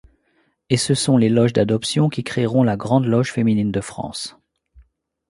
Et ce sont les loges d'adoption qui créeront la Grande Loge féminine de France.